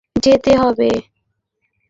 তো তুমি কি ভেবেছ?